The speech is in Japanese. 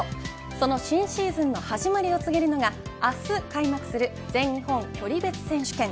その新シーズンの始まりをつけるのが明日開幕する全日本距離別選手権。